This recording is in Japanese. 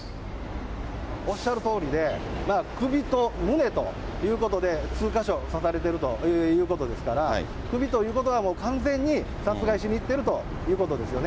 おっしゃるとおりで、首と胸ということで、数か所刺されているということですから、首ということは、もう完全に殺害しにいってるということですよね。